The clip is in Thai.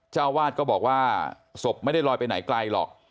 เจ้าวาดก็บอกว่าศพไม่ได้ลอยไปไหนไกลหรอก